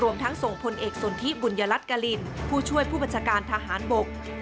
รวมทั้งส่งพลเอกสนทิบุญรัติกรรินทร์ผู้ช่วยผู้ประชาการทหารบก